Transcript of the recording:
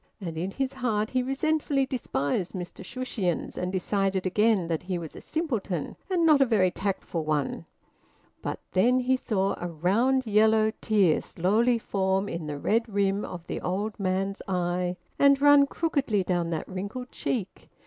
And in his heart he resentfully despised Mr Shushions, and decided again that he was a simpleton, and not a very tactful one. But then he saw a round yellow tear slowly form in the red rim of the old man's eye and run crookedly down that wrinkled cheek.